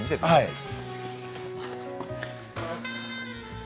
はい。